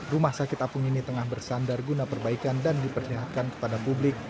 rumah sakit apung ini tengah bersandar guna perbaikan dan diperlihatkan kepada publik